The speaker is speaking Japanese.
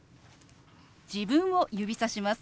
自分を指さします。